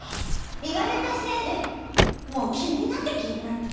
言われたせいでもう気になって気になって。